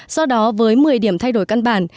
do đó với một mươi điểm thay đổi căn bản